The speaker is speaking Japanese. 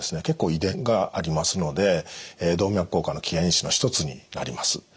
結構遺伝がありますので動脈硬化の危険因子の一つになります。